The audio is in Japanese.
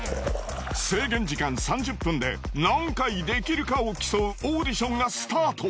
制限時間３０分で何回できるかを競うオーディションがスタート。